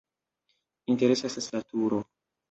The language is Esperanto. Interesa estas la turo.